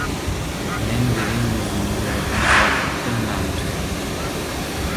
Men welin ýüzümi ýerden galdyryp bilmän otyryn –